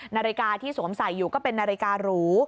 นาฬิกาที่สวมใส่อยู่ก็เป็นนาฬิการู